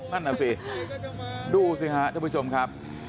นั่นน่ะสิดูเลยครับ